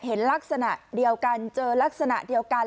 เห็นลักษณะเดียวกันเจอลักษณะเดียวกัน